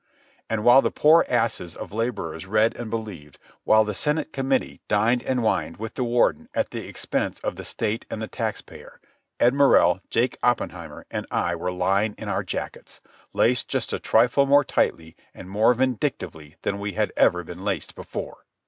And while the poor asses of labourers read and believed, while the Senate Committee dined and wined with the Warden at the expense of the state and the tax payer, Ed Morrell, Jake Oppenheimer, and I were lying in our jackets, laced just a trifle more tightly and more vindictively than we had ever been laced before.